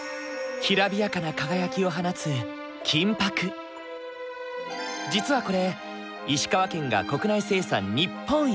きらびやかな輝きを放つ実はこれ石川県が国内生産日本一。